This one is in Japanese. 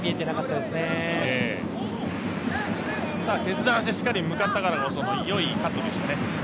ただ決断して、しっかり向かったからこそのよいカットでしたね。